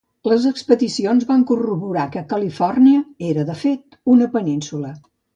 Les expedicions van corroborar que Califòrnia era, de fet, una península.